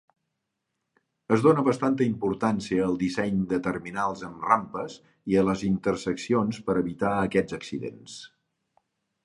Es dona bastanta importància al disseny de terminals amb rampes i a les interseccions per evitar aquests accidents.